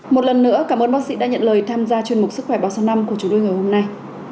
một lần nữa cảm ơn bác sĩ đã nhận lời tham gia chuyên mục sức khỏe báo sơ năm của chúng tôi ngày hôm nay